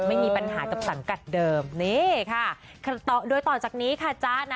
ไม่มีปัญหากับสังกัดเดิมนี่ค่ะโดยต่อจากนี้ค่ะจ๊ะนะ